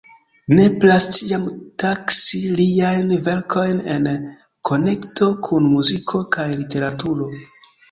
Nepras ĉiam taksi liajn verkojn en konekto kun muziko kaj literaturo.